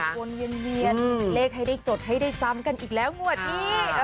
วนเวียนเลขให้ได้จดให้ได้ซ้ำกันอีกแล้วงวดนี้